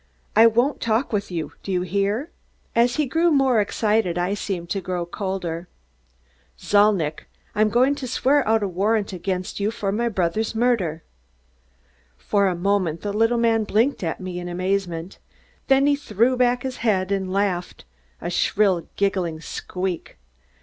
I won't talk with you, do you hear?" As he grew more excited I seemed to grow cooler. "Zalnitch, I'm going to swear out a warrant against you for my brother's murder." For a moment the little man blinked at me in amazement; then he threw back his head and laughed, a shrill, giggling squeak.